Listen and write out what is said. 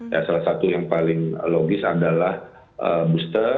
ya salah satu yang paling logis adalah booster